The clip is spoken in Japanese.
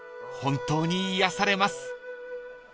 ［本当に癒やされます］